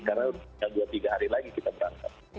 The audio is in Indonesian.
karena tinggal dua tiga hari lagi kita berangkat